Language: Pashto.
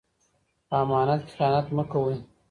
په امانت کې خیانت مه کوئ.